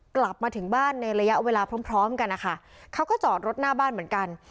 กลับมาถึงบ้านในระยะเวลาพร้อมพร้อมกันนะคะเขาก็จอดรถหน้าบ้านเหมือนกัน